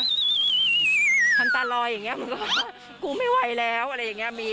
ทำตาลอยอย่างนี้มันก็กูไม่ไหวแล้วอะไรอย่างนี้มี